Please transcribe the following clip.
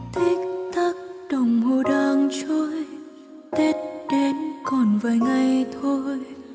thích thắc đồng hồ đang trôi tết đến còn vài ngày thôi